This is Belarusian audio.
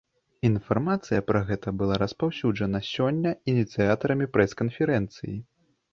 Інфармацыя пра гэта была распаўсюджана сёння ініцыятарамі прэс-канферэнцыі.